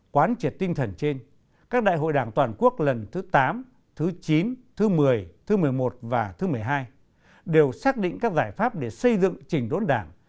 quán triệt tinh thần trên các đại hội đảng toàn quốc lần thứ tám thứ chín thứ một mươi thứ một mươi một và thứ một mươi hai đều xác định các giải pháp để xây dựng trình đốn đảng